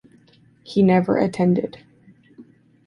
He never attended.